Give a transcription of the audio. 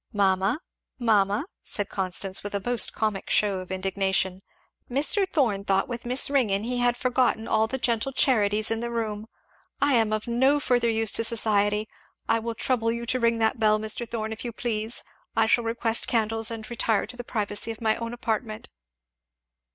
"Mamma!" said Constance with a most comic shew of indignation, "Mr. Thorn thought that with Miss Ringgan he had forgotten all the gentle charities in the room! I am of no further use to society! I will trouble you to ring that bell, Mr. Thorn, if you please. I shall request candles and retire to the privacy of my own apartment!"